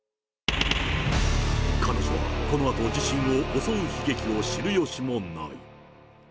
彼女は、このあと自身を襲う悲劇を知るよしもない。